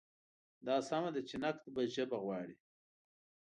دا سمه ده چې نقد به ژبه غواړي.